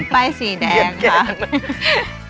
ใบสีแดงค่ะ